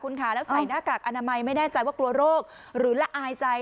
คุณค่ะแล้วใส่หน้ากากอนามัยไม่แน่ใจว่ากลัวโรคหรือละอายใจ